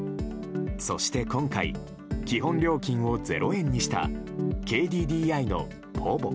そして今回基本料金を０円にしたＫＤＤＩのｐｏｖｏ。